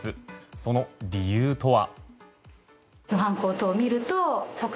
その理由とは。